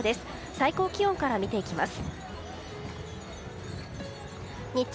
最高気温から見ていきます。